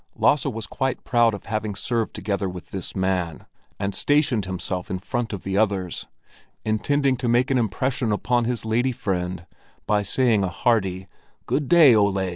Lasse was quite proud of having served together with this man, and stationed himself in front of the others, intending to make an impression upon his lady friend by saying a hearty: "Good day, Ole!"